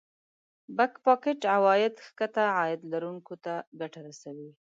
د Back pocket عواید ښکته عاید لرونکو ته ګټه رسوي